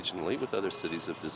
với thành phố phong trào khác